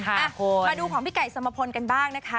มาดูของพี่ไก่สมพลกันบ้างนะคะ